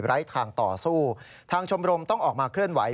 ทางต่อสู้ทางชมรมต้องออกมาเคลื่อนไหว